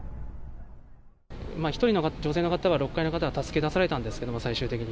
１人の女性の方は、６階の方は助け出されたんですけれども、最終的に。